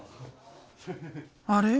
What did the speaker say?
あれ？